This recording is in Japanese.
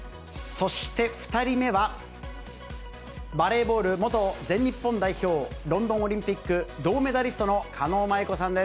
そして２人目は、バレーボール元全日本代表、ロンドンオリンピック銅メダリストの狩野舞子さんです。